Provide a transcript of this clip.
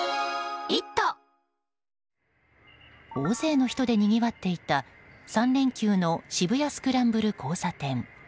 大勢の人でにぎわっていた３連休の渋谷スクランブル交差点。